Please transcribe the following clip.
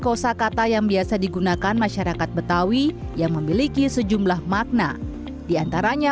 kosa kata yang biasa digunakan masyarakat betawi yang memiliki sejumlah makna diantaranya